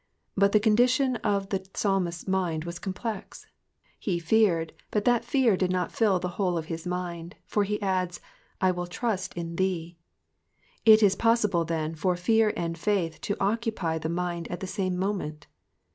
But the condition of the psalmist^ s mind was complex — he feared, but that fear did not fill the whole area of his mind, for he adds, ^'IwiU trust in thee." It is possible, then, for fear and faith to occupy the mind at the siune moment.